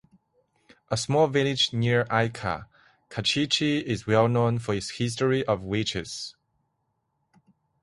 A small village near Ica, Cachiche is well known for its history of witches.